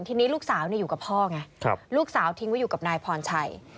ทีนี้ลูกสาวอยู่กับพ่อไงลูกสาวทิ้งไว้อยู่กับนายพรชัย